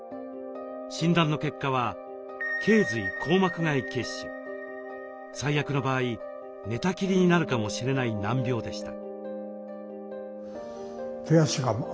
診断の結果は最悪の場合寝たきりになるかもしれない難病でした。